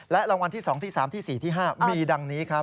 และรางวัลที่๒๓๔๕มีดังนี้ครับ